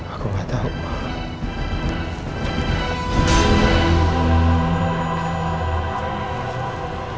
aku gak tau ma